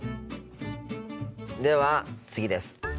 では次です。